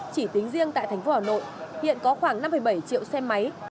chỉ tính riêng tại thành phố hà nội hiện có khoảng năm bảy triệu xe máy